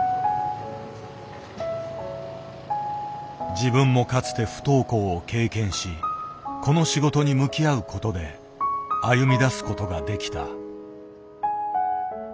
自分もかつて不登校を経験しこの仕事に向き合うことで歩みだすことができた。